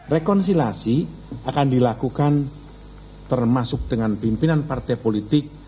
rekonsilasi akan dilakukan termasuk dengan pimpinan partai politik